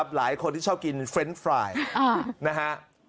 หลายคนที่ชอบกินเฟรนด์ไฟล์นะฮะ